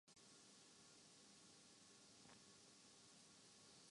ہر اک شب ہر گھڑی گزرے قیامت یوں تو ہوتا ہے